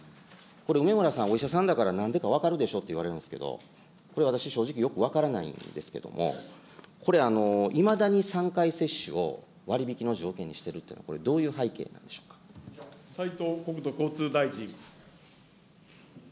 これ、梅村さん、お医者さんだから、なんでか分かるでしょっていわれるんですけど、これ私、正直、よく分からないんですけれども、これ、いまだに３回接種を割引の条件にしてるっていうのは、これ、斉藤国土交通大臣。